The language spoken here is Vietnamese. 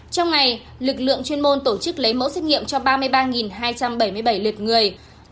trong ngày lực lượng chuyên môn tổ chức lấy mẫu xét nghiệm cho ba mươi ba hai trăm bảy mươi bảy lượt người